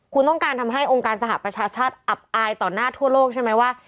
คุณต้องการทำให้องค์การสหประชาชาติอับอายต่อหน้าทั่วโลกใช่ไหมว่า